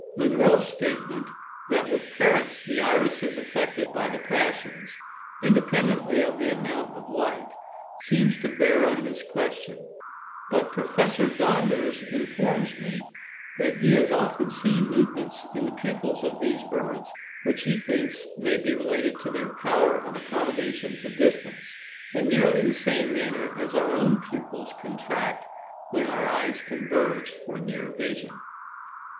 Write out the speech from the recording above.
Munro's statement, that with parrots the iris is affected by the passions, independently of the amount of light, seems to bear on this question; but Professor Donders informs me, that he has often seen movements in the pupils of these birds which he thinks may be related to their power of accommodation to distance, in nearly the same manner as our own pupils contract when our eyes converge for near vision.